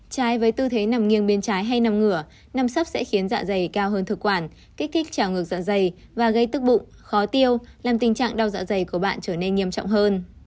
trái với tư thế nằm nghiêng bên trái hay nằm ngửa năm sắp sẽ khiến dạ dày cao hơn thực quản kích thích trào ngược dạ dày và gây tức bụng khó tiêu làm tình trạng đau dạ dày của bạn trở nên nghiêm trọng hơn